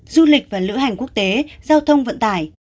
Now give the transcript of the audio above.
du lịch và lữ hành quốc tế giao thông vận tải